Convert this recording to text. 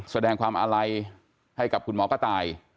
แสดงความอาลัยให้กับคุณหมอกระต่าย